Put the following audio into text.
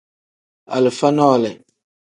Alifa nole.